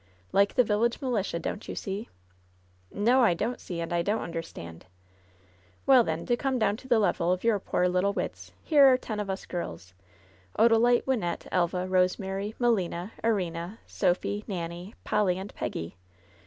Like the village militia, don't you see?" "No, I don't see, and I don't understand." ^^ell, then, to come down to the level of your poor little wits, here are ten of us girls — Odalite, Wynnette, Elva, Rosemary, Melina, Erina, Sophy, Nanny, Polly and Peggy.